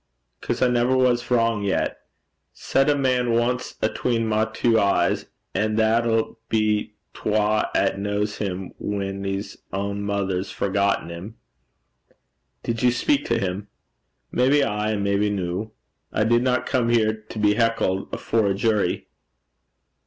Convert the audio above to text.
''Cause I never was vrang yet. Set a man ance atween my twa een, an' that 'll be twa 'at kens him whan 's ain mither 's forgotten 'im.' 'Did you speak to him?' 'Maybe ay, an' maybe no. I didna come here to be hecklet afore a jury.'